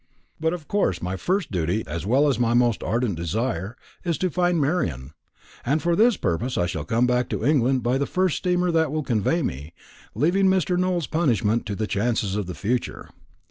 But of course my first duty, as well as my most ardent desire, is to find Marian; and for this purpose I shall come back to England by the first steamer that will convey me, leaving Mr. Nowell's punishment to the chances of the future.